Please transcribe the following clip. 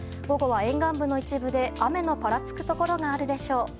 午後は沿岸部の一部で雨のぱらつくところがあるでしょう。